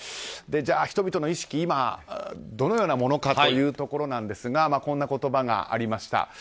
人々の意識、今どのようなものかということですがこんな言葉がありました。